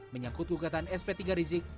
menyangkut gugatan sp tiga rizik